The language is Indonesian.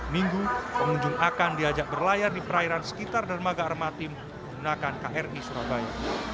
minggu pengunjung akan diajak berlayar di perairan sekitar dermaga armatim menggunakan kri surabaya